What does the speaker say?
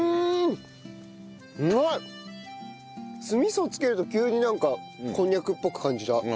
酢味噌をつけると急になんかこんにゃくっぽく感じた。